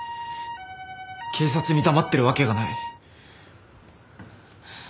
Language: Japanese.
警察に黙ってるわけがない。